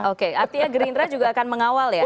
oke artinya gerindra juga akan mengawal ya